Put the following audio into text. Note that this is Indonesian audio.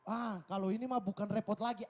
ah kalau ini mah bukan repot lagi